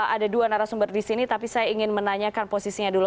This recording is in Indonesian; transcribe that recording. ada dua narasumber di sini tapi saya ingin menanyakan posisinya dulu